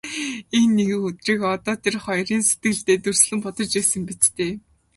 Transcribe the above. Энэ нэгэн өдрийг л одоо тэр хоёр сэтгэлдээ дүрслэн бодож байсан биз ээ.